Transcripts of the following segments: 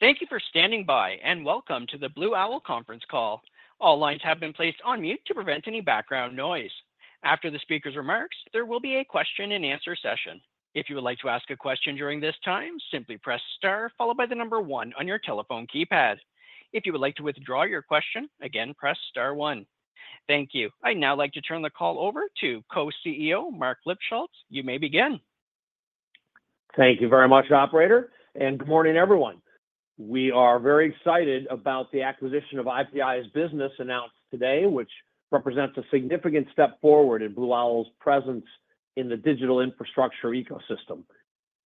Thank you for standing by, and welcome to the Blue Owl conference call. All lines have been placed on mute to prevent any background noise. After the speaker's remarks, there will be a question and answer session. If you would like to ask a question during this time, simply press star followed by the number one on your telephone keypad. If you would like to withdraw your question, again, press star one. Thank you. I'd now like to turn the call over to Co-CEO, Marc Lipschultz. You may begin. Thank you very much, operator, and good morning, everyone. We are very excited about the acquisition of IPI's business announced today, which represents a significant step forward in Blue Owl's presence in the digital infrastructure ecosystem.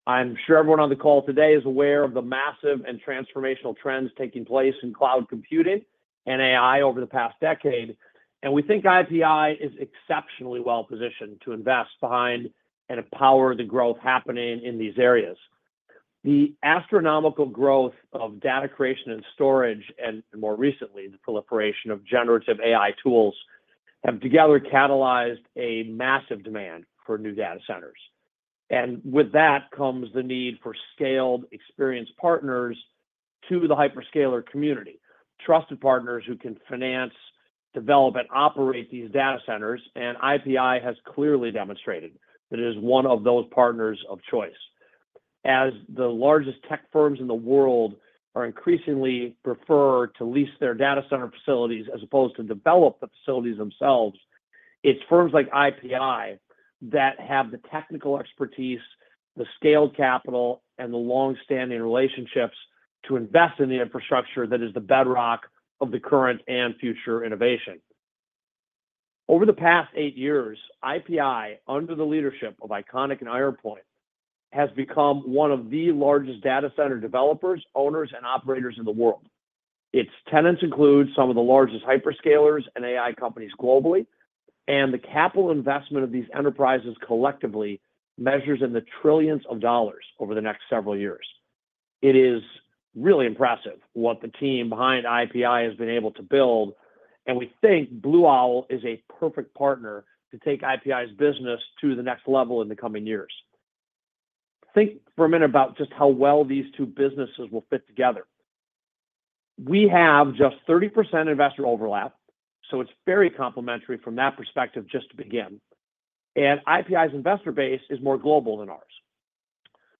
I'm sure everyone on the call today is aware of the massive and transformational trends taking place in cloud computing and AI over the past decade, and we think IPI is exceptionally well positioned to invest behind and empower the growth happening in these areas. The astronomical growth of data creation and storage, and more recently, the proliferation of generative AI tools, have together catalyzed a massive demand for new data centers, and with that comes the need for scaled, experienced partners to the hyperscaler community, trusted partners who can finance, develop, and operate these data centers, and IPI has clearly demonstrated that it is one of those partners of choice. As the largest tech firms in the world are increasingly prefer to lease their data center facilities as opposed to develop the facilities themselves, it's firms like IPI that have the technical expertise, the scaled capital, and the long-standing relationships to invest in the infrastructure that is the bedrock of the current and future innovation. Over the past eight years, IPI, under the leadership of Iconic and Iron Point, has become one of the largest data center developers, owners, and operators in the world. Its tenants include some of the largest hyperscalers and AI companies globally, and the capital investment of these enterprises collectively measures in the trillions of dollars over the next several years. It is really impressive what the team behind IPI has been able to build, and we think Blue Owl is a perfect partner to take IPI's business to the next level in the coming years. Think for a minute about just how well these two businesses will fit together. We have just 30% investor overlap, so it's very complementary from that perspective, just to begin, and IPI's investor base is more global than ours.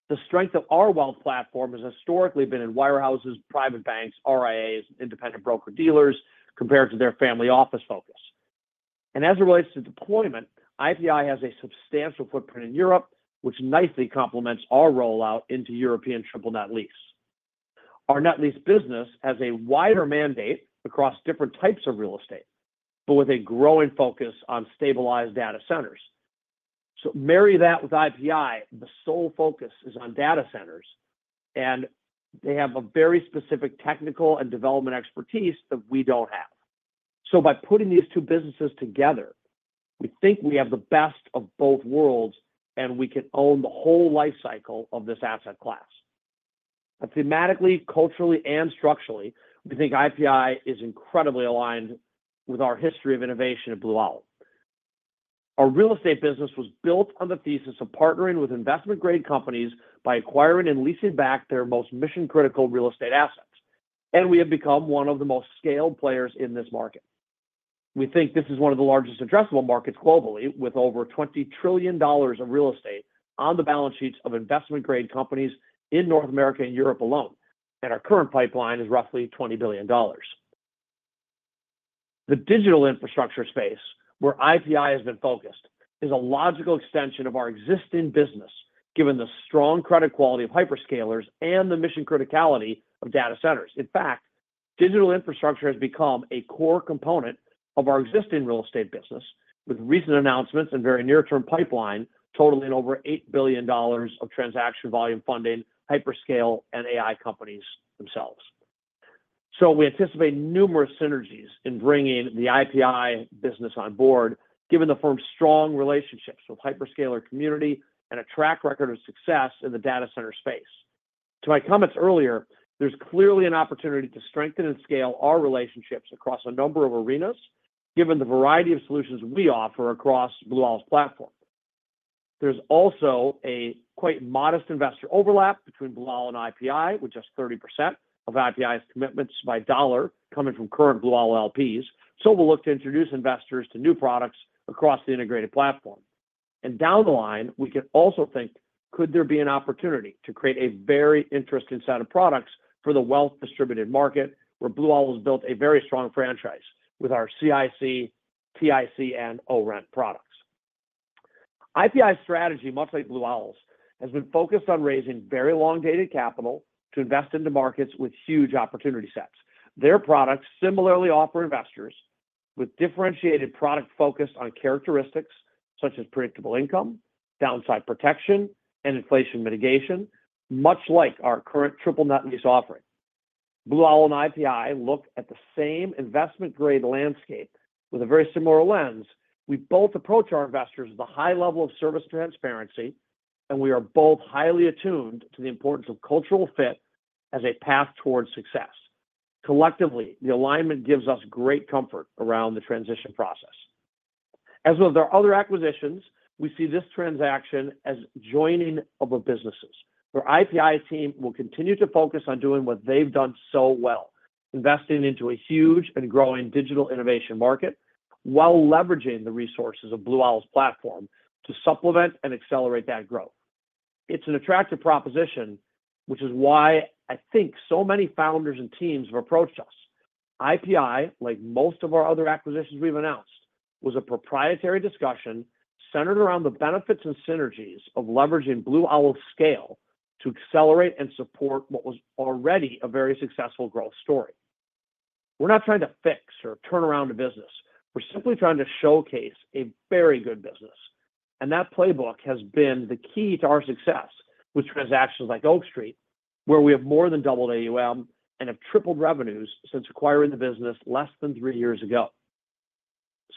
The strength of our wealth platform has historically been in wirehouses, private banks, RIAs, independent broker-dealers, compared to their family office focus. And as it relates to deployment, IPI has a substantial footprint in Europe, which nicely complements our rollout into European triple net lease. Our net lease business has a wider mandate across different types of real estate, but with a growing focus on stabilized data centers. So marry that with IPI, the sole focus is on data centers, and they have a very specific technical and development expertise that we don't have. So by putting these two businesses together, we think we have the best of both worlds, and we can own the whole life cycle of this asset class. Thematically, culturally, and structurally, we think IPI is incredibly aligned with our history of innovation at Blue Owl. Our real estate business was built on the thesis of partnering with investment-grade companies by acquiring and leasing back their most mission-critical real estate assets, and we have become one of the most scaled players in this market. We think this is one of the largest addressable markets globally, with over $20 trillion of real estate on the balance sheets of investment-grade companies in North America and Europe alone, and our current pipeline is roughly $20 billion. The digital infrastructure space, where IPI has been focused, is a logical extension of our existing business, given the strong credit quality of hyperscalers and the mission criticality of data centers. In fact, digital infrastructure has become a core component of our existing real estate business, with recent announcements and very near-term pipeline totaling over $8 billion of transaction volume funding, hyperscale, and AI companies themselves. So we anticipate numerous synergies in bringing the IPI business on board, given the firm's strong relationships with hyperscaler community and a track record of success in the data center space. To my comments earlier, there's clearly an opportunity to strengthen and scale our relationships across a number of arenas, given the variety of solutions we offer across Blue Owl's platform. There's also a quite modest investor overlap between Blue Owl and IPI, with just 30% of IPI's commitments by dollar coming from current Blue Owl LPs. So we'll look to introduce investors to new products across the integrated platform. And down the line, we can also think, could there be an opportunity to create a very interesting set of products for the wealth distributed market, where Blue Owl has built a very strong franchise with our OCIC, OTIC, and ORENT products? IPI's strategy, much like Blue Owl's, has been focused on raising very long-dated capital to invest into markets with huge opportunity sets. Their products similarly offer investors with differentiated product focus on characteristics such as predictable income, downside protection, and inflation mitigation, much like our current triple net lease offering. Blue Owl and IPI look at the same investment-grade landscape with a very similar lens. We both approach our investors with a high level of service transparency, and we are both highly attuned to the importance of cultural fit as a path towards success. Collectively, the alignment gives us great comfort around the transition process. As with our other acquisitions, we see this transaction as joining of our businesses. The IPI team will continue to focus on doing what they've done so well, investing into a huge and growing digital innovation market, while leveraging the resources of Blue Owl's platform to supplement and accelerate that growth. It's an attractive proposition, which is why I think so many founders and teams have approached us. IPI, like most of our other acquisitions we've announced, was a proprietary discussion centered around the benefits and synergies of leveraging Blue Owl's scale to accelerate and support what was already a very successful growth story. We're not trying to fix or turn around a business. We're simply trying to showcase a very good business, and that playbook has been the key to our success with transactions like Oak Street, where we have more than doubled AUM and have tripled revenues since acquiring the business less than three years ago.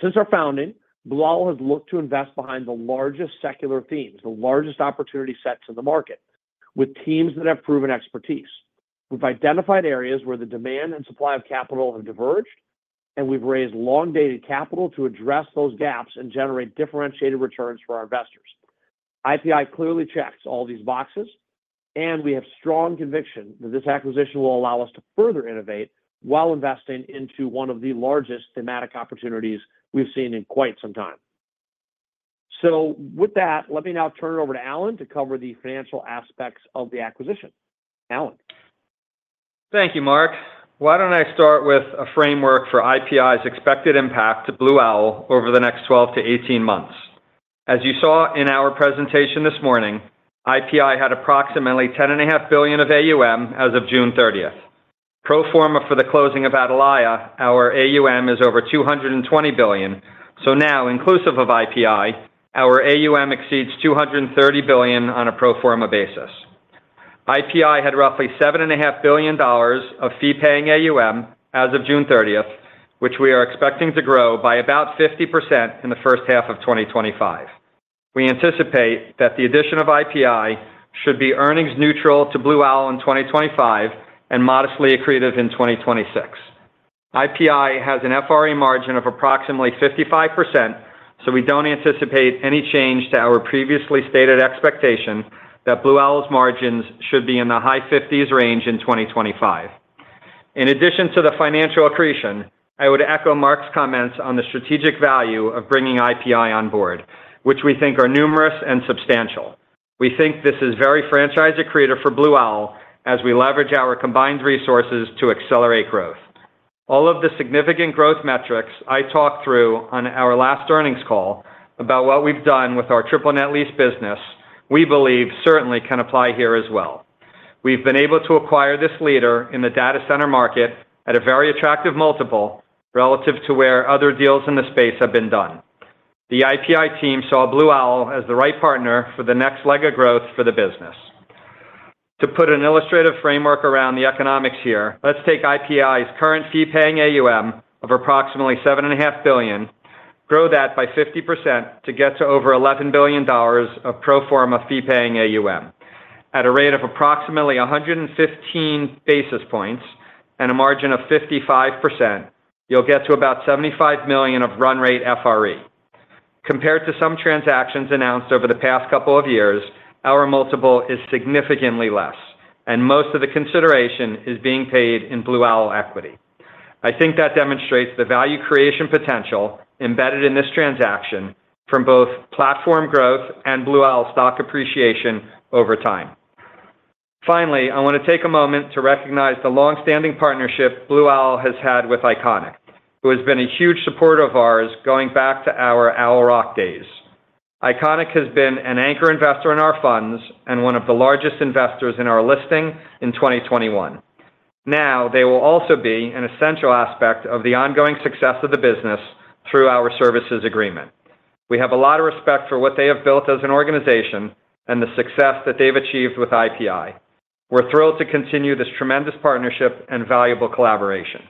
Since our founding, Blue Owl has looked to invest behind the largest secular themes, the largest opportunity sets in the market, with teams that have proven expertise. We've identified areas where the demand and supply of capital have diverged, and we've raised long-dated capital to address those gaps and generate differentiated returns for our investors. IPI clearly checks all these boxes, and we have strong conviction that this acquisition will allow us to further innovate while investing into one of the largest thematic opportunities we've seen in quite some time. So with that, let me now turn it over to Alan to cover the financial aspects of the acquisition. Alan? Thank you, Marc. Why don't I start with a framework for IPI's expected impact to Blue Owl over the next 12-18 months? As you saw in our presentation this morning, IPI had approximately $10.5 billion of AUM as of June thirtieth. Pro forma for the closing of Atalaya, our AUM is over $220 billion. So now, inclusive of IPI, our AUM exceeds $230 billion on a pro forma basis. IPI had roughly $7.5 billion of fee-paying AUM as of June thirtieth, which we are expecting to grow by about 50% in the first half of 2025. We anticipate that the addition of IPI should be earnings neutral to Blue Owl in 2025 and modestly accretive in 2026. IPI has an FRE margin of approximately 55%, so we don't anticipate any change to our previously stated expectation that Blue Owl's margins should be in the high 50s range in 2025. In addition to the financial accretion, I would echo Marc's comments on the strategic value of bringing IPI on board, which we think are numerous and substantial. We think this is very franchisor creative for Blue Owl as we leverage our combined resources to accelerate growth. All of the significant growth metrics I talked through on our last earnings call about what we've done with our triple net lease business, we believe certainly can apply here as well. We've been able to acquire this leader in the data center market at a very attractive multiple relative to where other deals in the space have been done. The IPI team saw Blue Owl as the right partner for the next leg of growth for the business. To put an illustrative framework around the economics here, let's take IPI's current fee-paying AUM of approximately $7.5 billion, grow that by 50% to get to over $11 billion of pro forma fee-paying AUM. At a rate of approximately 115 basis points and a margin of 55%, you'll get to about $75 million of run rate FRE. Compared to some transactions announced over the past couple of years, our multiple is significantly less, and most of the consideration is being paid in Blue Owl equity. I think that demonstrates the value creation potential embedded in this transaction from both platform growth and Blue Owl stock appreciation over time. Finally, I want to take a moment to recognize the long-standing partnership Blue Owl has had with Iconic, who has been a huge supporter of ours going back to our Owl Rock days. Iconic has been an anchor investor in our funds and one of the largest investors in our listing in twenty twenty-one. Now, they will also be an essential aspect of the ongoing success of the business through our services agreement. We have a lot of respect for what they have built as an organization and the success that they've achieved with IPI. We're thrilled to continue this tremendous partnership and valuable collaboration.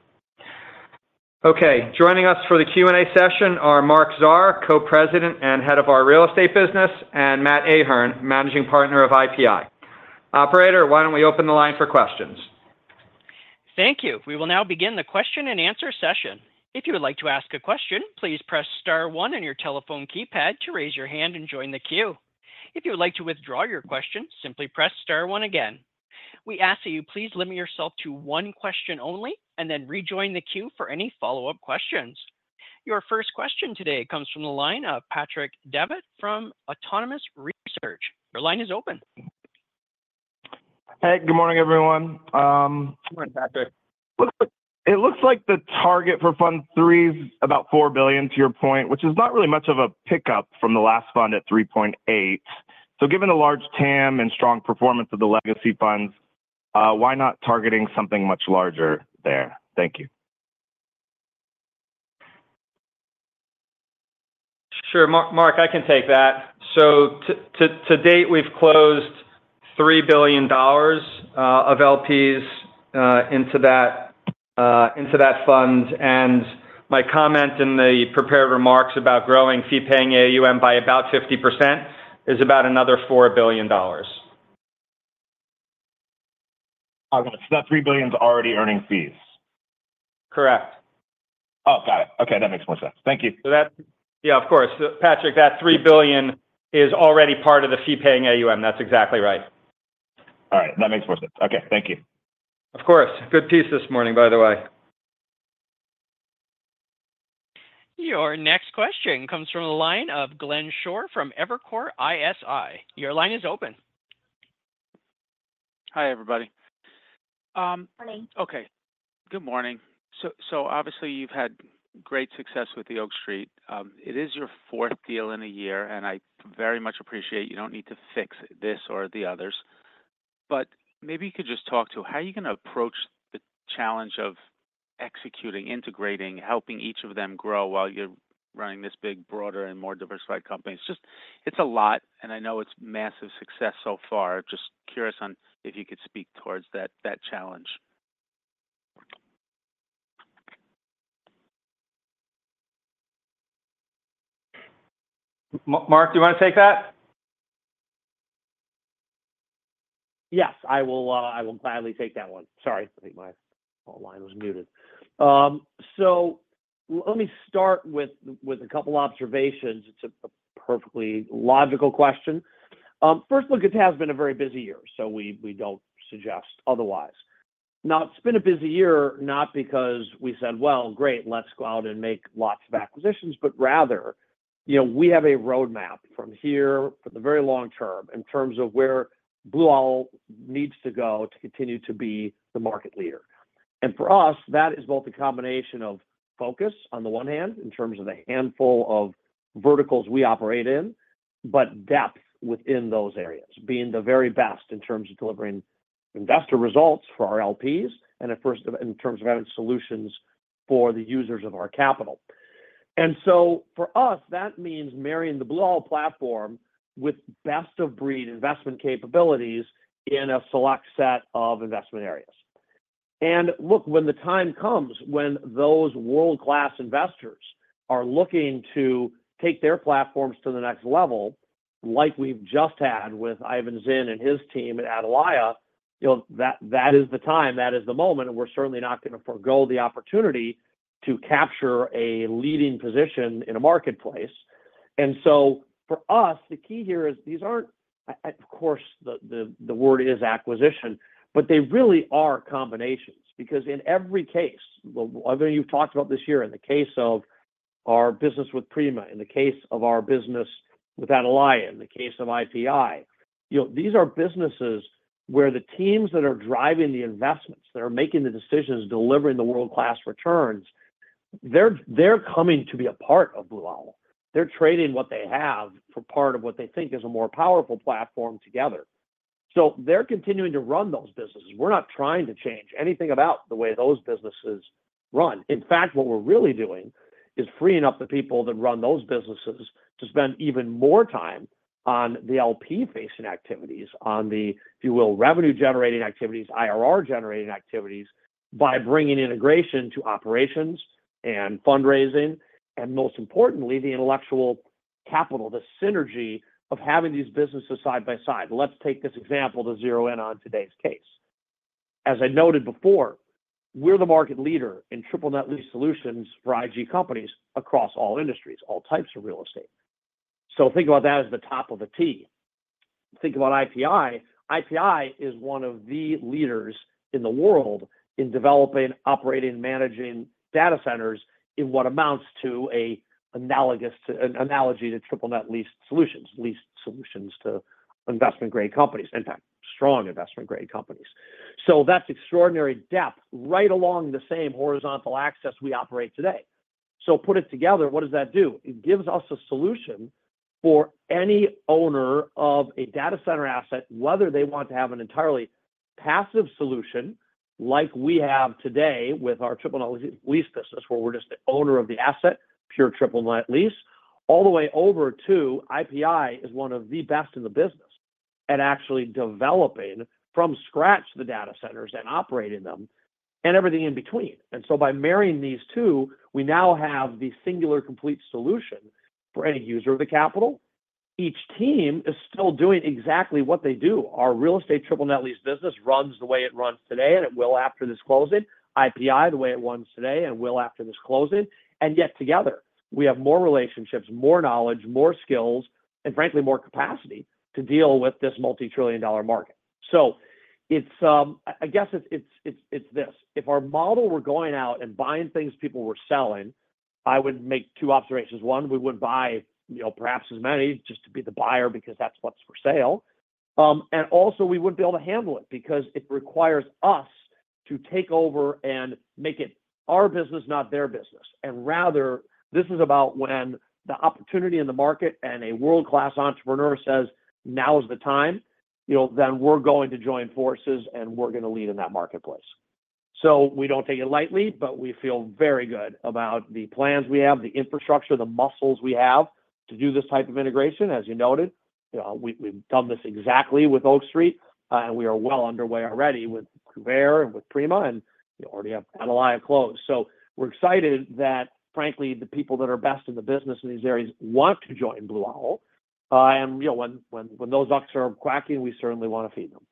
Okay, joining us for the Q&A session are Marc Zahr, Co-President and Head of our Real Estate business, and Matt A'Hearn, Managing Partner of IPI. Operator, why don't we open the line for questions? Thank you. We will now begin the question-and-answer session. If you would like to ask a question, please press star one on your telephone keypad to raise your hand and join the queue. If you would like to withdraw your question, simply press star one again. We ask that you please limit yourself to one question only, and then rejoin the queue for any follow-up questions. Your first question today comes from the line of Patrick Davitt from Autonomous Research. Your line is open. Hey, good morning, everyone. Good morning, Patrick. It looks like the target for Fund three is about $4 billion, to your point, which is not really much of a pickup from the last fund at $3.8 billion. So given the large TAM and strong performance of the legacy funds, why not targeting something much larger there? Thank you. Sure. Marc, I can take that. So to date, we've closed $3 billion of LPs into that fund, and my comment in the prepared remarks about growing fee-paying AUM by about 50% is about another $4 billion. ... Oh, so that three billion is already earning fees? Correct. Oh, got it. Okay, that makes more sense. Thank you. Yeah, of course. Patrick, that $3 billion is already part of the fee-paying AUM. That's exactly right. All right. That makes more sense. Okay. Thank you. Of course. Good piece this morning, by the way. Your next question comes from the line of Glenn Schorr from Evercore ISI. Your line is open. Hi, everybody. Morning. Okay, good morning. So obviously, you've had great success with the Oak Street. It is your fourth deal in a year, and I very much appreciate you don't need to fix this or the others. But maybe you could just talk to, how are you gonna approach the challenge of executing, integrating, helping each of them grow while you're running this big, broader, and more diversified company? It's just, it's a lot, and I know it's massive success so far. Just curious on if you could speak towards that, that challenge. Marc, do you wanna take that? Yes, I will, I will gladly take that one. Sorry, I think my whole line was muted. So let me start with a couple observations. It's a perfectly logical question. First, look, it has been a very busy year, so we don't suggest otherwise. Now, it's been a busy year, not because we said, "Well, great, let's go out and make lots of acquisitions," but rather, you know, we have a roadmap from here for the very long term in terms of where Blue Owl needs to go to continue to be the market leader. And for us, that is both a combination of focus on the one hand, in terms of the handful of verticals we operate in, but depth within those areas, being the very best in terms of delivering investor results for our LPs and at first, in terms of having solutions for the users of our capital. And so for us, that means marrying the Blue Owl platform with best-of-breed investment capabilities in a select set of investment areas. And look, when the time comes, when those world-class investors are looking to take their platforms to the next level, like we've just had with Ivan Zinn and his team at Adelia, you know, that, that is the time, that is the moment, and we're certainly not gonna forgo the opportunity to capture a leading position in a marketplace. And so for us, the key here is these aren't... Of course, the word is acquisition, but they really are combinations. Because in every case, well, whether you've talked about this year, in the case of our business with Prima, in the case of our business with Adelia, in the case of IPI, you know, these are businesses where the teams that are driving the investments, that are making the decisions, delivering the world-class returns, they're coming to be a part of Blue Owl. They're trading what they have for part of what they think is a more powerful platform together. So they're continuing to run those businesses. We're not trying to change anything about the way those businesses run. In fact, what we're really doing is freeing up the people that run those businesses to spend even more time on the LP-facing activities, on the, if you will, revenue-generating activities, IRR-generating activities, by bringing integration to operations and fundraising, and most importantly, the intellectual capital, the synergy of having these businesses side by side. Let's take this example to zero in on today's case. As I noted before, we're the market leader in triple net lease solutions for IG companies across all industries, all types of real estate. So think about that as the top of the T. Think about IPI. IPI is one of the leaders in the world in developing, operating, managing data centers in what amounts to an analogy to triple net lease solutions, lease solutions to investment-grade companies, in fact, strong investment-grade companies. So that's extraordinary depth right along the same horizontal axis we operate today. So put it together, what does that do? It gives us a solution for any owner of a data center asset, whether they want to have an entirely passive solution, like we have today with our triple net lease business, where we're just the owner of the asset, pure triple net lease, all the way over to IPI is one of the best in the business at actually developing from scratch the data centers and operating them and everything in between. And so by marrying these two, we now have the singular complete solution for any user of the capital. Each team is still doing exactly what they do. Our real estate triple net lease business runs the way it runs today, and it will after this closing, IPI, the way it runs today and will after this closing, and yet together, we have more relationships, more knowledge, more skills, and frankly, more capacity to deal with this multi-trillion-dollar market. So, I guess it's this: if our model were going out and buying things people were selling, I would make two observations. One, we would buy, you know, perhaps as many just to be the buyer because that's what's for sale. And also, we wouldn't be able to handle it because it requires us to take over and make it our business, not their business. And rather, this is about when the opportunity in the market and a world-class entrepreneur says, "Now is the time," you know, then we're going to join forces, and we're gonna lead in that marketplace. So we don't take it lightly, but we feel very good about the plans we have, the infrastructure, the muscles we have to do this type of integration. As you noted, we've done this exactly with Oak Street, and we are well underway already with Kuvare and with Prima, and we already have Atalaya closed. So we're excited that, frankly, the people that are best in the business in these areas want to join Blue Owl. And you know, when those ducks are quacking, we certainly want to feed them.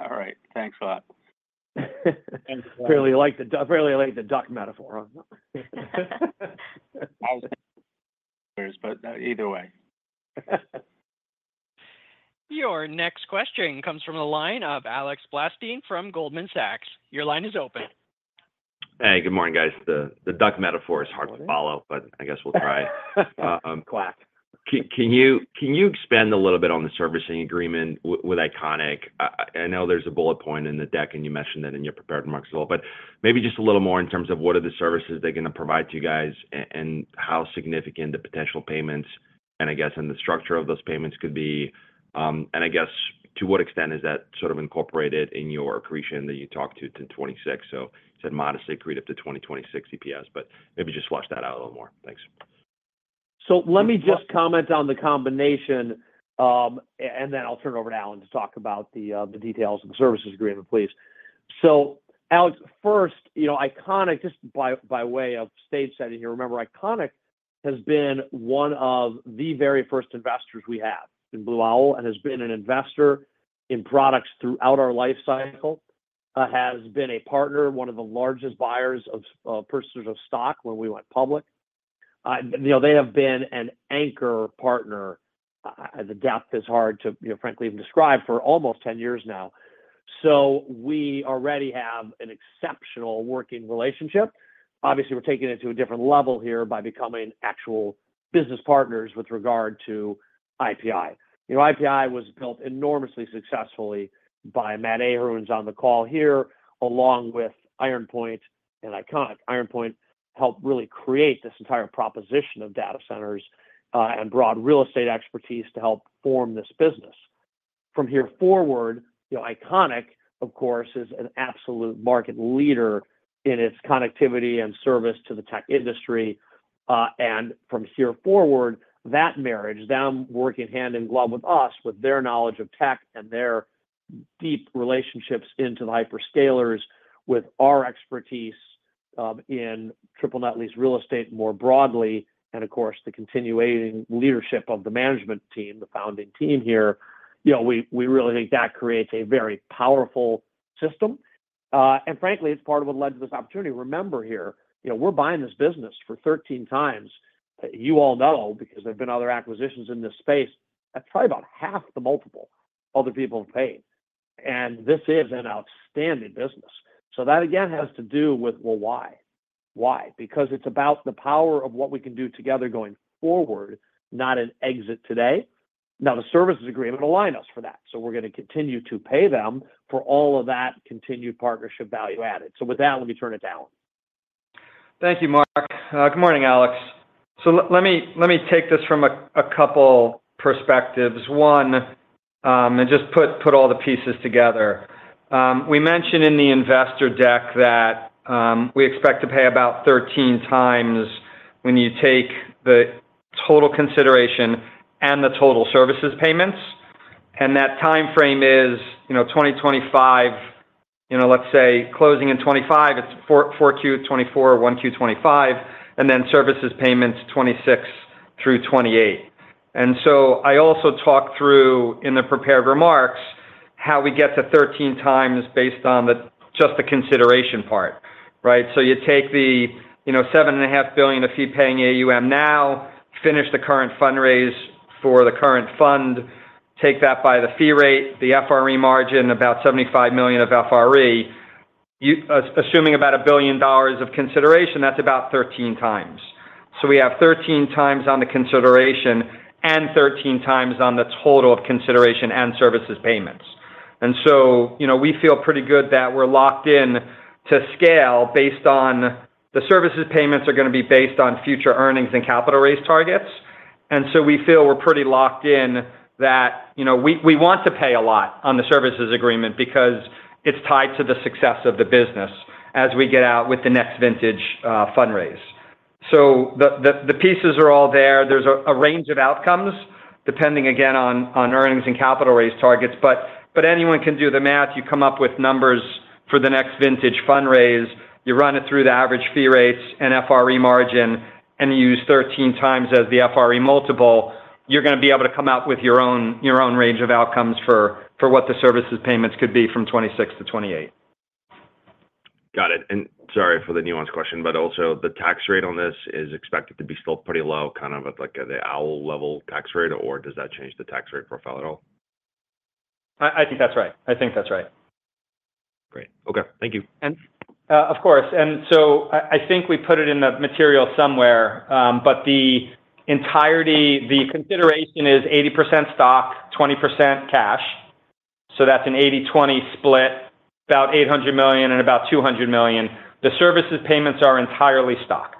All right, thanks a lot. Thanks. Really like the duck metaphor, huh? But, either way. Your next question comes from the line of Alex Blostein from Goldman Sachs. Your line is open. Hey, good morning, guys. The duck metaphor is hard to follow, but I guess we'll try. Quack. Can you expand a little bit on the servicing agreement with ICONIQ? I know there's a bullet point in the deck, and you mentioned it in your prepared remarks as well, but maybe just a little more in terms of what are the services they're gonna provide to you guys, and how significant the potential payments, and I guess, and the structure of those payments could be. And I guess to what extent is that sort of incorporated in your accretion that you talked to 26? So you said modestly accrete up to 2026 EPS, but maybe just flesh that out a little more. Thanks. So let me just comment on the combination, and then I'll turn it over to Alan to talk about the details of the services agreement, please. Alex, first, you know, ICONIQ, just by way of stage setting here, remember, ICONIQ has been one of the very first investors we have in Blue Owl and has been an investor in products throughout our life cycle, has been a partner, one of the largest purchasers of stock when we went public. You know, they have been an anchor partner, the depth is hard to, you know, frankly, even describe, for almost ten years now. We already have an exceptional working relationship. Obviously, we're taking it to a different level here by becoming actual business partners with regard to IPI. You know, IPI was built enormously successfully by Matt Ahern, on the call here, along with Iron Point and ICONIQ. Iron Point helped really create this entire proposition of data centers, and brought real estate expertise to help form this business. From here forward, you know, ICONIQ, of course, is an absolute market leader in its connectivity and service to the tech industry. And from here forward, that marriage, them working hand in glove with us, with their knowledge of tech and their deep relationships into the hyperscalers, with our expertise, in triple net lease real estate more broadly, and of course, the continuing leadership of the management team, the founding team here, you know, we really think that creates a very powerful system. And frankly, it's part of what led to this opportunity. Remember here, you know, we're buying this business for thirteen times. You all know because there have been other acquisitions in this space at probably about half the multiple other people have paid, and this is an outstanding business. So that, again, has to do with, well, why? Why? Because it's about the power of what we can do together going forward, not an exit today. Now, the services agreement align us for that, so we're gonna continue to pay them for all of that continued partnership value added. So with that, let me turn it to Alan. Thank you, Marc. Good morning, Alex. So let me take this from a couple perspectives. One, and just put all the pieces together. We mentioned in the investor deck that we expect to pay about 13 times when you take the total consideration and the total services payments, and that time frame is, you know, 2025. You know, let's say closing in 2025, it's 4Q 2024, 1Q 2025, and then services payments, 2026 through 2028. And so I also talked through in the prepared remarks, how we get to 13 times based on just the consideration part, right? So you take the, you know, $7.5 billion of fee paying AUM now, finish the current fundraise for the current fund, take that by the fee rate, the FRE margin, about $75 million of FRE. Assuming about $1 billion of consideration, that's about 13 times. We have 13 times on the consideration and 13 times on the total of consideration and services payments. You know, we feel pretty good that we're locked in to scale based on the services payments. The services payments are gonna be based on future earnings and capital raise targets. You know, we want to pay a lot on the services agreement because it's tied to the success of the business as we get out with the next vintage fundraise. The pieces are all there. There's a range of outcomes, depending again on earnings and capital raise targets, but anyone can do the math. You come up with numbers for the next vintage fundraise, you run it through the average fee rates and FRE margin, and you use thirteen times as the FRE multiple, you're gonna be able to come out with your own range of outcomes for what the services payments could be from twenty-six to twenty-eight. Got it. And sorry for the nuanced question, but also the tax rate on this is expected to be still pretty low, kind of at like the Owl Rock level tax rate, or does that change the tax rate profile at all? I think that's right. I think that's right. Great. Okay. Thank you. Of course, and so I think we put it in the material somewhere, but the entirety, the consideration is 80% stock, 20% cash, so that's an 80-20 split, about $800 million and about $200 million. The services payments are entirely stock.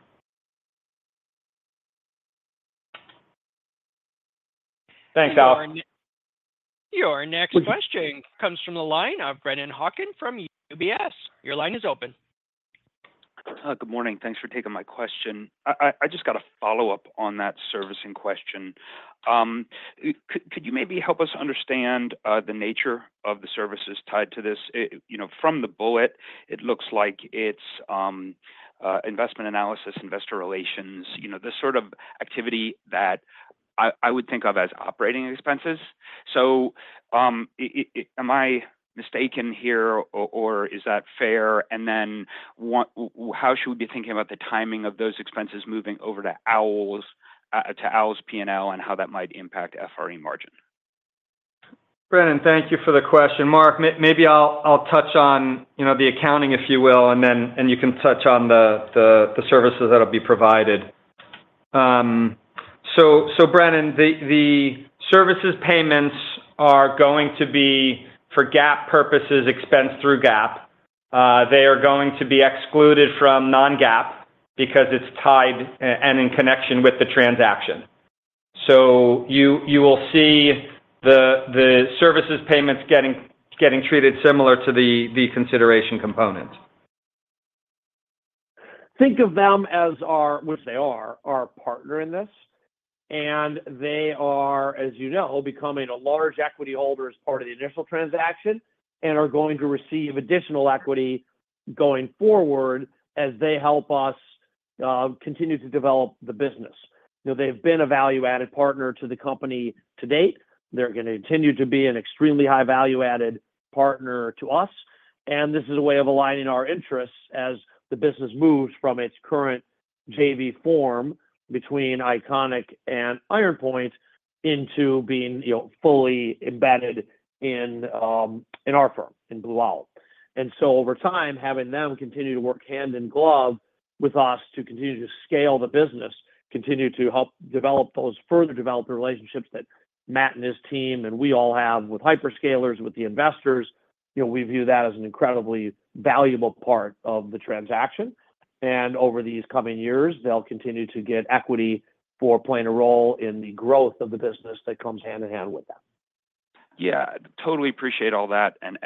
Thanks, Alex. Your next question comes from the line of Brennan Hawken from UBS. Your line is open. Good morning. Thanks for taking my question. I just got a follow-up on that servicing question. Could you maybe help us understand the nature of the services tied to this? It, you know, from the bullet, it looks like it's investment analysis, investor relations, you know, the sort of activity that I would think of as operating expenses. So, am I mistaken here or is that fair? And then how should we be thinking about the timing of those expenses moving over to Owl's P&L, and how that might impact FRE margin? Brennan, thank you for the question. Marc, maybe I'll touch on, you know, the accounting, if you will, and then you can touch on the services that'll be provided. So Brennan, the services payments are going to be, for GAAP purposes, expensed through GAAP. They are going to be excluded from non-GAAP because it's tied and in connection with the transaction. So you will see the services payments getting treated similar to the consideration component. Think of them as our, which they are, our partner in this. And they are, as you know, becoming a large equity holder as part of the initial transaction, and are going to receive additional equity going forward as they help us, continue to develop the business. You know, they've been a value-added partner to the company to date. They're gonna continue to be an extremely high value-added partner to us, and this is a way of aligning our interests as the business moves from its current JV form between ICONIQ and Iron Point into being, you know, fully embedded in, in our firm, in Blue Owl. And so over time, having them continue to work hand in glove with us to continue to scale the business, continue to help develop those... further develop the relationships that Matt and his team, and we all have with hyperscalers, with the investors, you know, we view that as an incredibly valuable part of the transaction. And over these coming years, they'll continue to get equity for playing a role in the growth of the business that comes hand in hand with that. Yeah, totally appreciate all that, and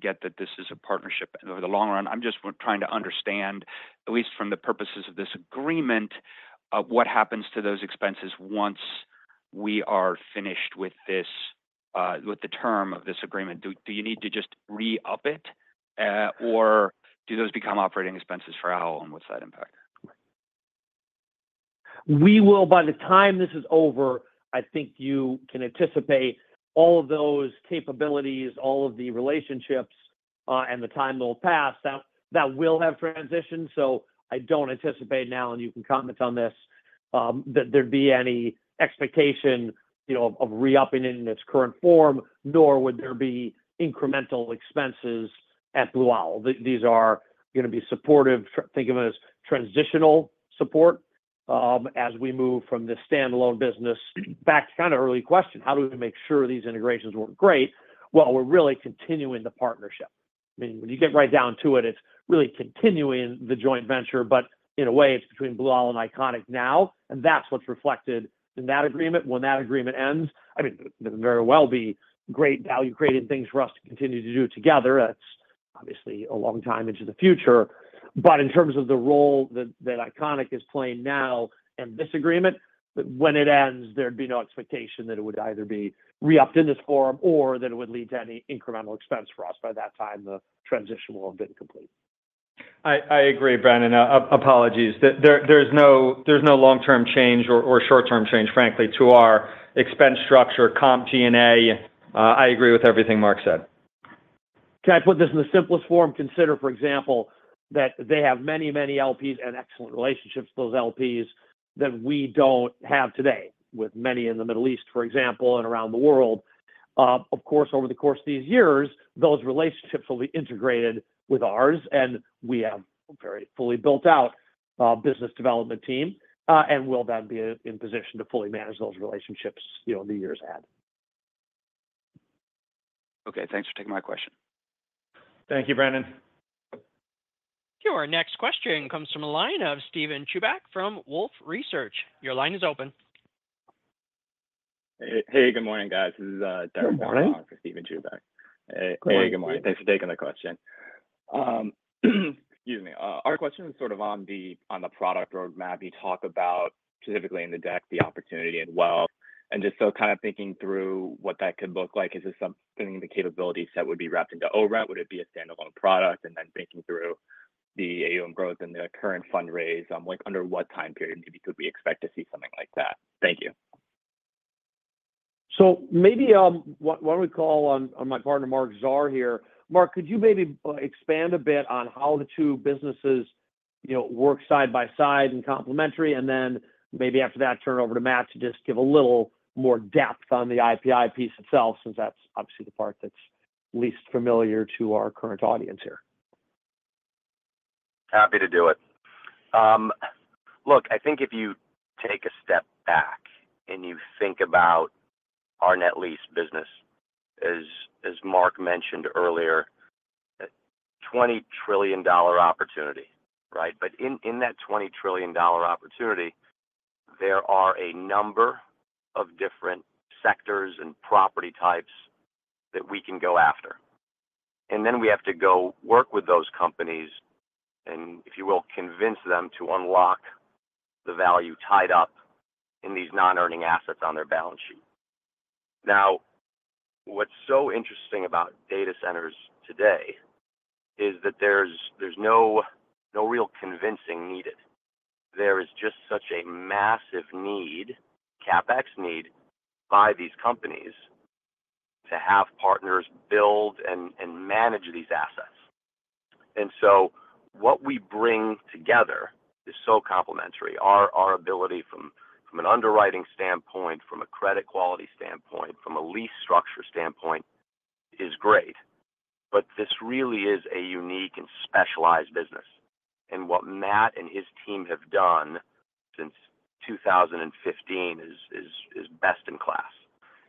get that this is a partnership over the long run. I'm just trying to understand, at least from the purposes of this agreement, what happens to those expenses once we are finished with this, with the term of this agreement. Do you need to just re-up it, or do those become operating expenses for Owl, and what's that impact? By the time this is over, I think you can anticipate all of those capabilities, all of the relationships, and the time that will pass that will have transitioned. So I don't anticipate, now, and you can comment on this, that there'd be any expectation, you know, of re-upping it in its current form, nor would there be incremental expenses at Blue Owl. These are gonna be supportive. Think of it as transitional support as we move from this standalone business. Back to kind of early question, how do we make sure these integrations work great? We're really continuing the partnership. I mean, when you get right down to it, it's really continuing the joint venture, but in a way, it's between Blue Owl and ICONIQ now, and that's what's reflected in that agreement. When that agreement ends, I mean, there very well be great value-creating things for us to continue to do together. It's obviously a long time into the future. But in terms of the role that ICONIQ is playing now in this agreement, when it ends, there'd be no expectation that it would either be re-upped in this form or that it would lead to any incremental expense for us. By that time, the transition will have been complete. I agree, Brennan. Apologies. There's no long-term change or short-term change, frankly, to our expense structure, comp G&A. I agree with everything Marc said. Can I put this in the simplest form? Consider, for example, that they have many, many LPs and excellent relationships with those LPs that we don't have today, with many in the Middle East, for example, and around the world. Of course, over the course of these years, those relationships will be integrated with ours, and we have a very fully built-out, business development team, and will then be in a position to fully manage those relationships, you know, in the years ahead. Okay. Thanks for taking my question. Thank you, Brennan. Your next question comes from a line of Steven Chubak from Wolfe Research. Your line is open. Hey, hey, good morning, guys. This is, Good morning... Steven Chubak. Hello. Hey, good morning. Thanks for taking the question. Excuse me. Our question is sort of on the, on the product roadmap. You talk about, specifically in the deck, the opportunity in wealth. And just so kind of thinking through what that could look like, is this something, the capability set would be wrapped into ORAT? Would it be a standalone product? And then thinking through the AUM growth and the current fundraise, like, under what time period maybe could we expect to see something like that? Thank you. So maybe why don't we call on my partner, Marc Zahr, here. Marc, could you maybe expand a bit on how the two businesses, you know, work side by side and complementary? And then maybe after that, turn it over to Matt to just give a little more depth on the IPI piece itself, since that's obviously the part that's least familiar to our current audience here. Happy to do it. Look, I think if you take a step back and you think about our net lease business, as Marc mentioned earlier, a $20 trillion opportunity, right? But in that $20 trillion opportunity, there are a number of different sectors and property types that we can go after, and then we have to go work with those companies, and if you will, convince them to unlock the value tied up in these non-earning assets on their balance sheet. Now, what's so interesting about data centers today is that there's no real convincing needed. There is just such a massive need, CapEx need by these companies to have partners build and manage these assets. And so what we bring together is so complementary. Our ability from an underwriting standpoint, from a credit quality standpoint, from a lease structure standpoint is great, but this really is a unique and specialized business. And what Matt and his team have done since 2015 is best in class.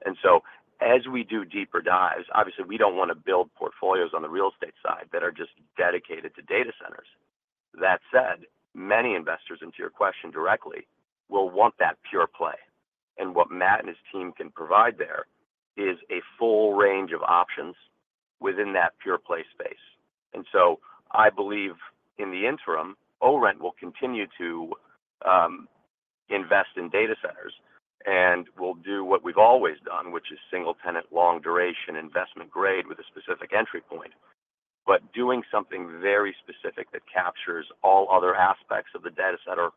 And so as we do deeper dives, obviously, we don't wanna build portfolios on the real estate side that are just dedicated to data centers. That said, many investors, and to your question directly, will want that pure play. And what Matt and his team can provide there is a full range of options within that pure play space. And so I believe in the interim, ORENT will continue to invest in data centers, and we'll do what we've always done, which is single tenant, long duration, investment grade with a specific entry point. But doing something very specific that captures all other aspects of the data center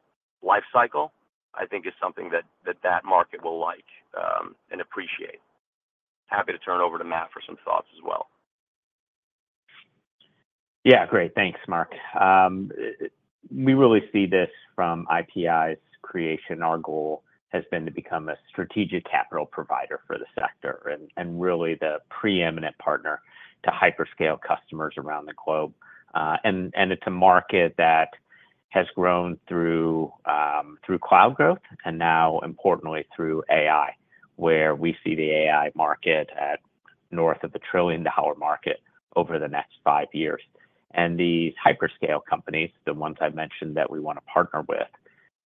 life cycle, I think is something that that market will like, and appreciate. Happy to turn over to Matt for some thoughts as well. Yeah, great. Thanks, Marc. We really see this from IPI's creation. Our goal has been to become a strategic capital provider for the sector and really the preeminent partner to hyperscale customers around the globe. And it's a market that has grown through cloud growth, and now importantly through AI, where we see the AI market at north of a $1 trillion market over the next five years. And these hyperscale companies, the ones I've mentioned that we wanna partner with,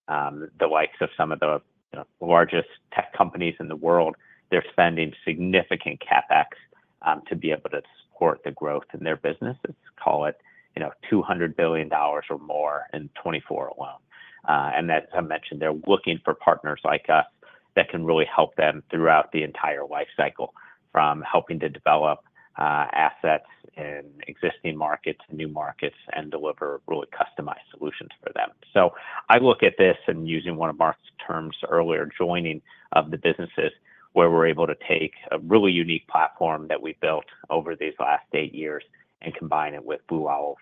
the likes of some of the, you know, largest tech companies in the world, they're spending significant CapEx to be able to support the growth in their business. Let's call it, you know, $200 billion or more in 2024 alone. And as I mentioned, they're looking for partners like us that can really help them throughout the entire life cycle, from helping to develop assets in existing markets, new markets, and deliver really customized solutions for them. So I look at this, and using one of Marc's terms earlier, joining of the businesses, where we're able to take a really unique platform that we've built over these last eight years and combine it with Blue Owl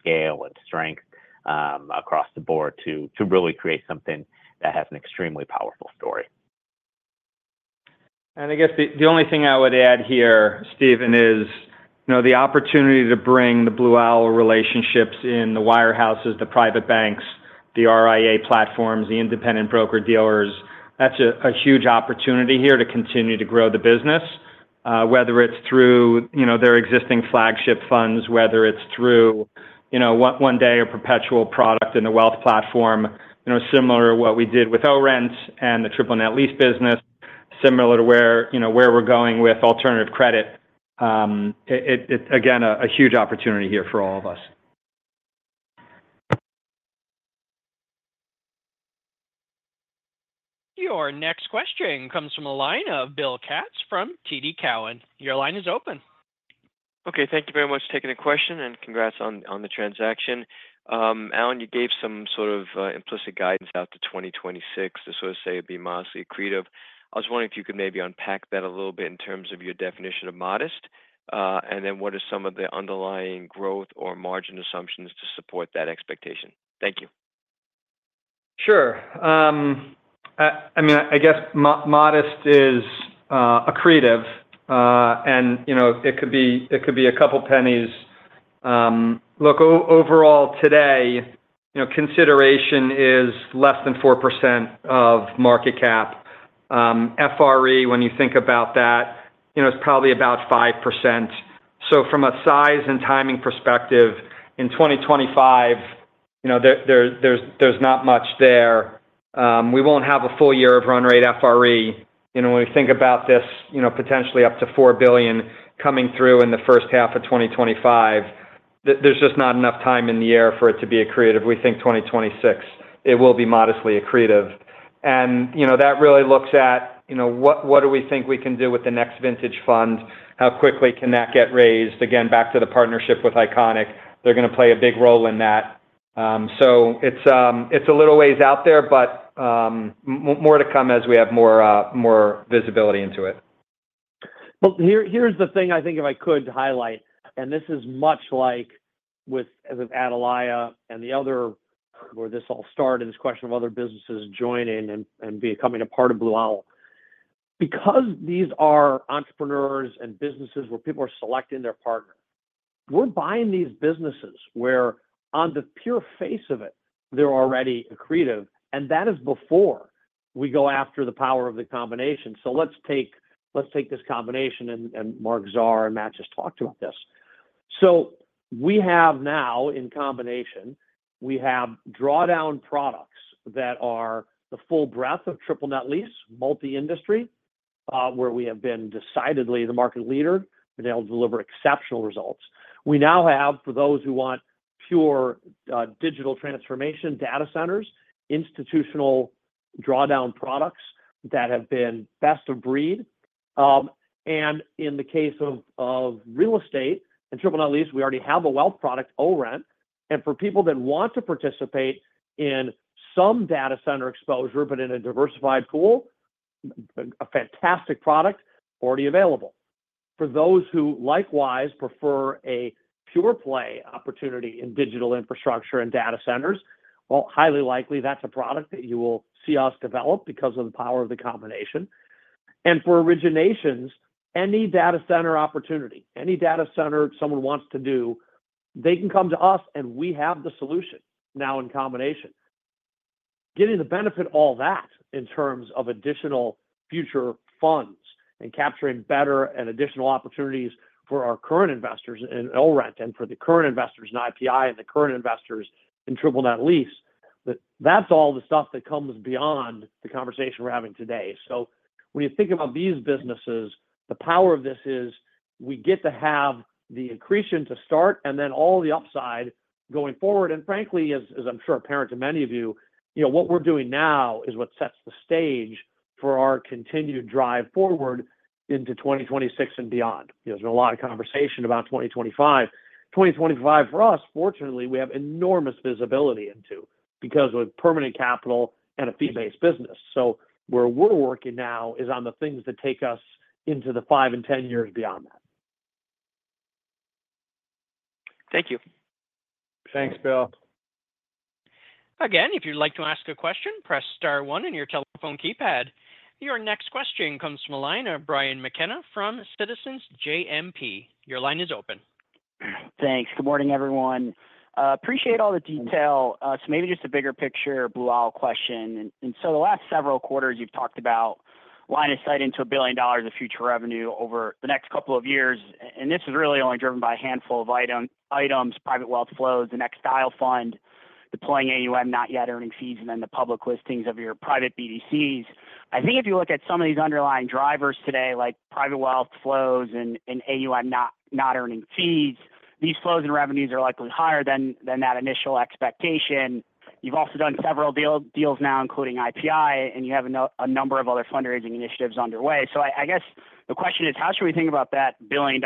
scale and strength across the board to really create something that has an extremely powerful story. And I guess the only thing I would add here, Steven, is, you know, the opportunity to bring the Blue Owl relationships in the wirehouses, the private banks, the RIA platforms, the independent broker-dealers, that's a huge opportunity here to continue to grow the business, whether it's through, you know, their existing flagship funds, whether it's through, you know, one day a perpetual product in the wealth platform, you know, similar to what we did with ORENT and the triple net lease business, similar to where, you know, where we're going with alternative credit. It again, a huge opportunity here for all of us. Your next question comes from the line of Bill Katz from TD Cowen. Your line is open. Okay, thank you very much for taking the question, and congrats on the transaction. Alan, you gave some sort of implicit guidance out to twenty twenty-six, to so say, it'd be modestly accretive. I was wondering if you could maybe unpack that a little bit in terms of your definition of modest, and then what are some of the underlying growth or margin assumptions to support that expectation? Thank you. Sure. I mean, I guess modest is accretive, and, you know, it could be a couple pennies. Look, overall, today, you know, consideration is less than 4% of market cap. FRE, when you think about that, you know, it's probably about 5%. So from a size and timing perspective, in 2025, you know, there's not much there. We won't have a full year of run rate FRE. You know, when we think about this, you know, potentially up to 4 billion coming through in the first half of 2025, there's just not enough time in the year for it to be accretive. We think 2026, it will be modestly accretive. You know, that really looks at what do we think we can do with the next vintage fund? How quickly can that get raised? Again, back to the partnership with ICONIQ, they're gonna play a big role in that. So it's a little ways out there, but more to come as we have more visibility into it. Here's the thing I think if I could highlight, and this is much like with Adelia and the other... where this all started, this question of other businesses joining and becoming a part of Blue Owl. Because these are entrepreneurs and businesses where people are selecting their partner, we're buying these businesses where on the pure face of it, they're already accretive, and that is before we go after the power of the combination. Let's take this combination, and Marc Zahr and Matt just talked about this. We have now, in combination, drawdown products that are the full breadth of triple net lease, multi-industry, where we have been decidedly the market leader, and they'll deliver exceptional results. We now have, for those who want pure digital transformation data centers, institutional drawdown products that have been best of breed.... and in the case of real estate and triple net lease, we already have a wealth product, ORENT. And for people that want to participate in some data center exposure, but in a diversified pool, a fantastic product already available. For those who likewise prefer a pure play opportunity in digital infrastructure and data centers, well, highly likely that's a product that you will see us develop because of the power of the combination. And for originations, any data center opportunity, any data center someone wants to do, they can come to us, and we have the solution now in combination. Getting the benefit of all that in terms of additional future funds and capturing better and additional opportunities for our current investors in ORENT and for the current investors in IPI and the current investors in triple net lease, that's all the stuff that comes beyond the conversation we're having today. So when you think about these businesses, the power of this is we get to have the accretion to start and then all the upside going forward. And frankly, as I'm sure apparent to many of you, you know, what we're doing now is what sets the stage for our continued drive forward into twenty twenty-six and beyond. There's been a lot of conversation about twenty twenty-five. Twenty twenty-five, for us, fortunately, we have enormous visibility into, because with permanent capital and a fee-based business. So where we're working now is on the things that take us into the five and 10 years beyond that. Thank you. Thanks, Bill. Again, if you'd like to ask a question, press star one on your telephone keypad. Your next question comes from the line of Brian McKenna from Citizens JMP. Your line is open. Thanks. Good morning, everyone. I appreciate all the detail. So maybe just a bigger picture Blue Owl question, and so the last several quarters, you've talked about line of sight into $1 billion of future revenue over the next couple of years, and this is really only driven by a handful of items, private wealth flows, the next Owl fund, deploying AUM, not yet earning fees, and then the public listings of your private BDCs. I think if you look at some of these underlying drivers today, like private wealth flows and AUM not earning fees, these flows and revenues are likely higher than that initial expectation. You've also done several deals now, including IPI, and you have a number of other fundraising initiatives underway. So I guess the question is, how should we think about that $1 billion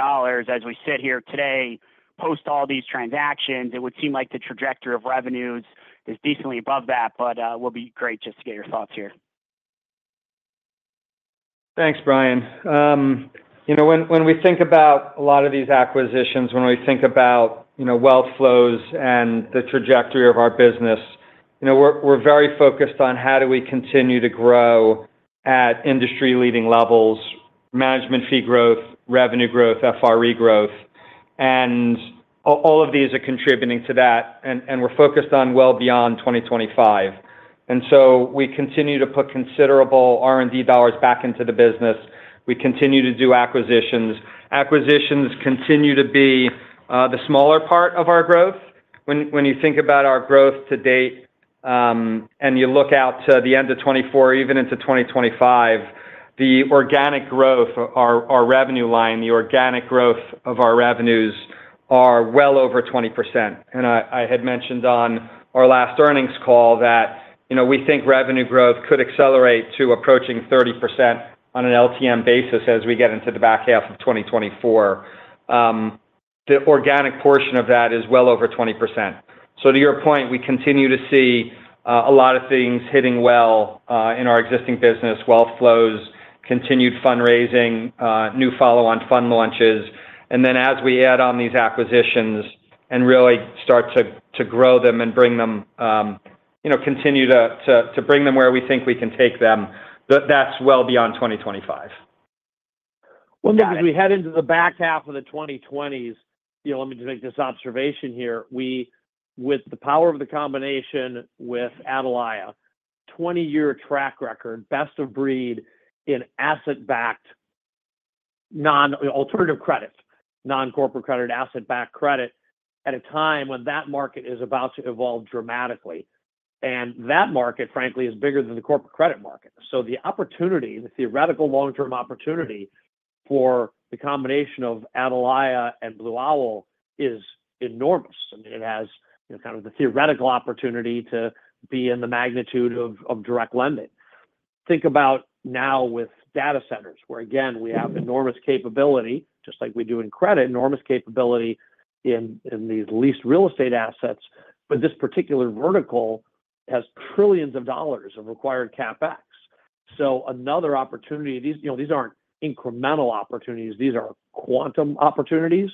as we sit here today, post all these transactions? It would seem like the trajectory of revenues is decently above that, but will be great just to get your thoughts here. Thanks, Brian. You know, when we think about a lot of these acquisitions, when we think about, you know, wealth flows and the trajectory of our business, you know, we're very focused on how do we continue to grow at industry-leading levels, management fee growth, revenue growth, FRE growth, and all of these are contributing to that, and we're focused on well beyond twenty twenty-five, and so we continue to put considerable R&D dollars back into the business. We continue to do acquisitions. Acquisitions continue to be the smaller part of our growth. When you think about our growth to date, and you look out to the end of twenty-four, even into twenty twenty-five, the organic growth, our revenue line, the organic growth of our revenues are well over 20%. I had mentioned on our last earnings call that, you know, we think revenue growth could accelerate to approaching 30% on an LTM basis as we get into the back half of 2024. The organic portion of that is well over 20%. So to your point, we continue to see a lot of things hitting well in our existing business. Wealth flows, continued fundraising, new follow-on fund launches, and then as we add on these acquisitions and really start to grow them and bring them, you know, continue to bring them where we think we can take them, that's well beyond 2025. As we head into the back half of the twenty twenties, you know, let me just make this observation here. We, with the power of the combination with Adelia, twenty-year track record, best of breed in asset-backed, non-alternative credits, non-corporate credit, asset-backed credit, at a time when that market is about to evolve dramatically, and that market, frankly, is bigger than the corporate credit market, so the opportunity, the theoretical long-term opportunity for the combination of Adelia and Blue Owl is enormous. I mean, it has kind of the theoretical opportunity to be in the magnitude of, of direct lending. Think about now with data centers, where again, we have enormous capability, just like we do in credit, enormous capability in these leased real estate assets, but this particular vertical has trillions of dollars of required CapEx, so another opportunity, these, you know, these aren't incremental opportunities. These are quantum opportunities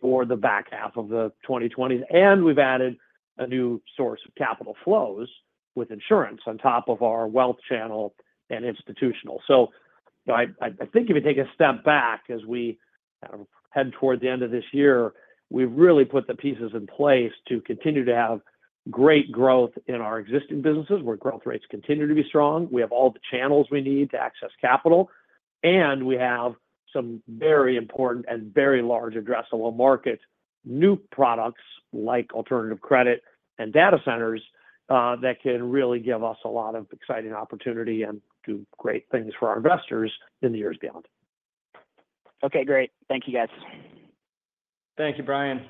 for the back half of the twenty twenties, and we've added a new source of capital flows with insurance on top of our wealth channel and institutional. So I, I think if you take a step back as we head toward the end of this year, we've really put the pieces in place to continue to have great growth in our existing businesses, where growth rates continue to be strong. We have all the channels we need to access capital, and we have some very important and very large addressable markets, new products like alternative credit and data centers, that can really give us a lot of exciting opportunity and do great things for our investors in the years beyond. Okay, great. Thank you, guys. Thank you, Brian....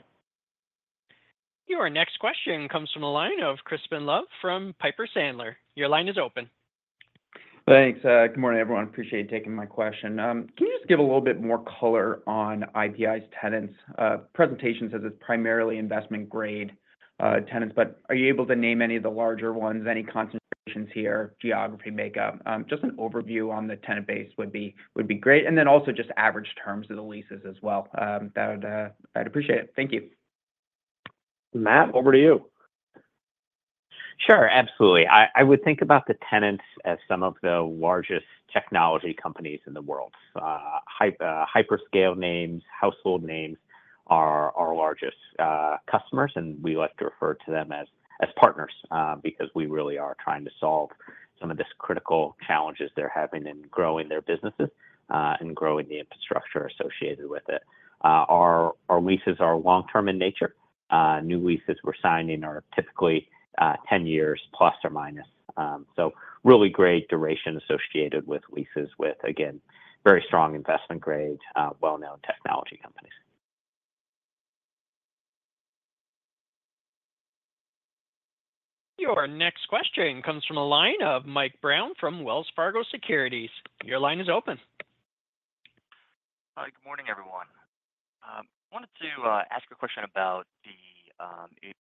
Your next question comes from the line of Crispin Love from Piper Sandler. Your line is open. Thanks. Good morning, everyone. Appreciate you taking my question. Can you just give a little bit more color on IPI's tenants? Presentations as it's primarily investment-grade tenants, but are you able to name any of the larger ones, any concentrations here, geographic makeup? Just an overview on the tenant base would be great. And then also just average terms of the leases as well. That would, I'd appreciate it. Thank you. Matt, over to you. Sure, absolutely. I would think about the tenants as some of the largest technology companies in the world. Hyperscale names, household names are our largest customers, and we like to refer to them as partners because we really are trying to solve some of the critical challenges they're having in growing their businesses and growing the infrastructure associated with it. Our leases are long-term in nature. New leases we're signing are typically 10 years, plus or minus. So really great duration associated with leases, with again, very strong investment-grade well-known technology companies. Your next question comes from a line of Mike Brown from Wells Fargo Securities. Your line is open. Hi, good morning, everyone. I wanted to ask a question about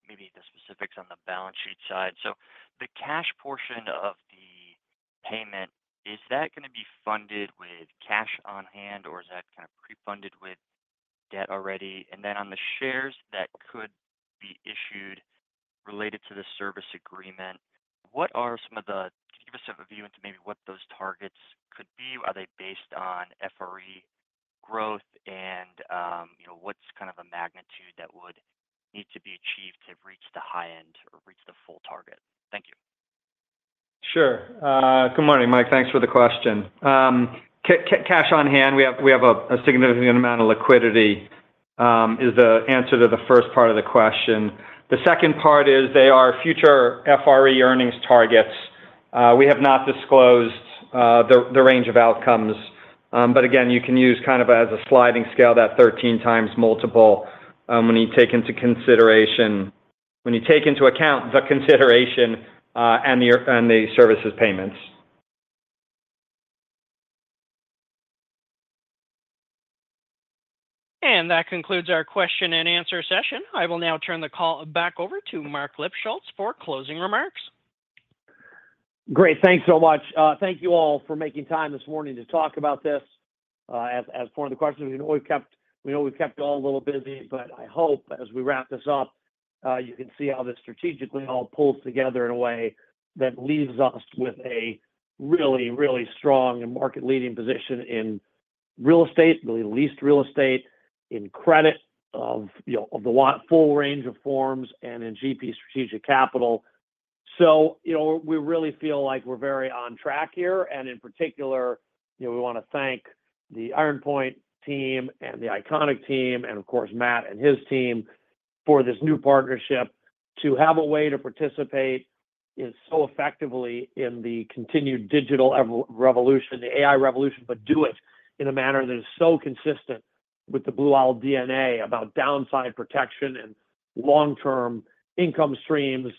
maybe the specifics on the balance sheet side. So the cash portion of the payment, is that gonna be funded with cash on hand, or is that kind of pre-funded with debt already? And then on the shares that could be issued related to the service agreement, give us a view into maybe what those targets could be. Are they based on FRE growth? And, you know, what's kind of a magnitude that would need to be achieved to reach the high end or reach the full target? Thank you. Sure. Good morning, Mike. Thanks for the question. Cash on hand, we have a significant amount of liquidity is the answer to the first part of the question. The second part is they are future FRE earnings targets. We have not disclosed the range of outcomes. But again, you can use kind of as a sliding scale, that 13 times multiple, when you take into account the consideration and the services payments. That concludes our question and answer session. I will now turn the call back over to Marc Lipschultz for closing remarks. Great. Thanks so much. Thank you all for making time this morning to talk about this. As part of the question, we know we've kept you all a little busy, but I hope as we wrap this up, you can see how this strategically all pulls together in a way that leaves us with a really, really strong and market-leading position in real estate, net lease real estate, in credit, you know, the full range of forms and in GP strategic capital. So, you know, we really feel like we're very on track here. And in particular, you know, we want to thank the Iron Point team and the ICONIQ team, and of course, Matt and his team for this new partnership. To have a way to participate is so effectively in the continued digital revolution, the AI revolution, but do it in a manner that is so consistent with the Blue Owl DNA, about downside protection and long-term income streams.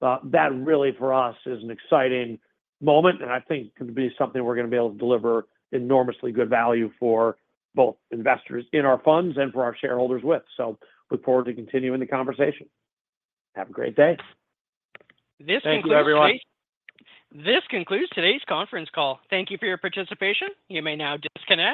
That really, for us, is an exciting moment, and I think it going to be something we're going to be able to deliver enormously good value for both investors in our funds and for our shareholders with. So look forward to continuing the conversation. Have a great day. This concludes- Thank you, everyone. This concludes today's conference call. Thank you for your participation. You may now disconnect.